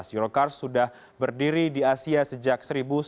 eurocars sudah berdiri di asia sejak seribu sembilan ratus sembilan puluh